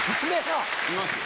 いますよ。